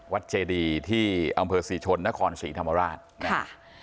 เจดีที่อำเภอศรีชนนครศรีธรรมราชนะคะ